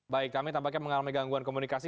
baik kami tampaknya mengalami gangguan komunikasi